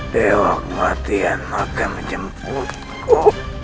bewa bua dia maga menjemputku